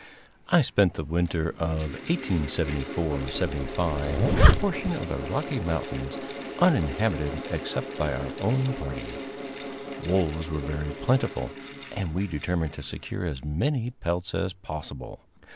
I spent the winter of 1874 75 in a portion of the Rocky Mountains uninhabited except by our own party. Wolves were very plentiful, and we determined to secure as many pelts as possible.